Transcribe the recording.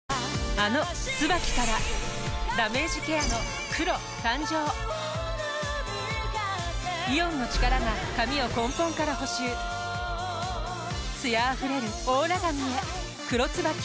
あの「ＴＳＵＢＡＫＩ」からダメージケアの黒誕生イオンの力が髪を根本から補修艶あふれるオーラ髪へ「黒ＴＳＵＢＡＫＩ」